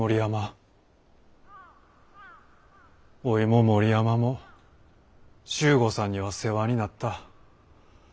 おいも森山も周吾さんには世話になった。